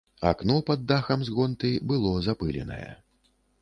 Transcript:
Акно пад дахам з гонты было запыленае.